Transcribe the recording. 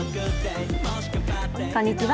こんにちは。